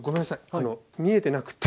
あの見えてなくって。